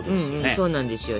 そうなんですよ。